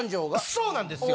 そうなんですよ！